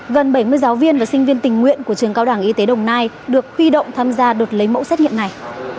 gần bảy mươi giáo viên và sinh viên tình nguyện của trường cao đẳng y tế đồng nai được huy động tham gia đợt lấy mẫu xét nghiệm này